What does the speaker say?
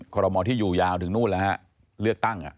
ขอรมอลที่อยู่ยาวถึงนู่นแล้วฮะเลือกตั้ง